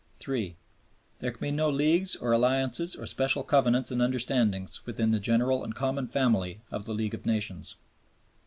(3) "There can be no leagues or alliances or special covenants and understandings within the general and common family of the League of Nations."